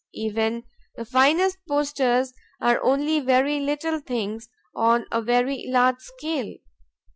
Even the finest posters are only very little things on a very large scale.